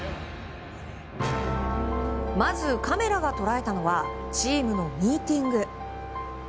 まずカメラが捉えたのはチームのミーティング。